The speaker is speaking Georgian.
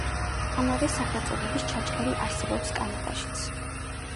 ამავე სახელწოდების ჩანჩქერი არსებობს კანადაშიც.